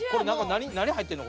何入ってんの？